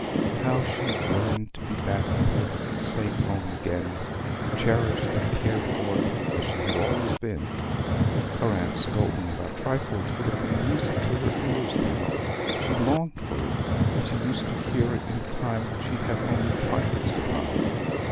How she yearned to be back in her safe home again, cherished and cared for as she had always been! Her aunt's scolding about trifles would have been music to her ears now; she longed for it; she used to hear it in a time when she had only trifles to hide.